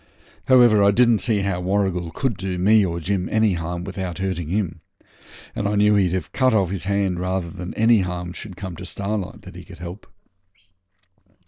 However, I didn't see how Warrigal could do me or Jim any harm without hurting him, and I knew he'd have cut off his hand rather than any harm should come to Starlight that he could help.